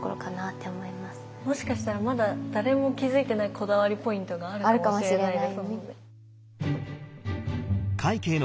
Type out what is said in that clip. もしかしたらまだ誰も気付いてないこだわりポイントがあるかもしれないですもんね。